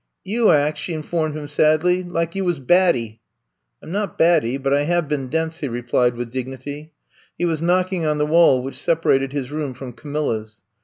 You ak," she informed him sadly, *4ak you was batty.'* I *m not batty, but I have been dense,'* he replied, with dignity. He was knock ing on the wall which separated his room from Camilla's.